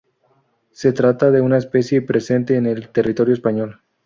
Se trata de una especie presente en el territorio español.